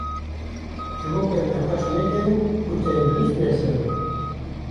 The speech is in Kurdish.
Ji bo ku em nexweş nekevin û tendurist mezin bibin.